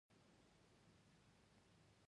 کروموزوم څه شی دی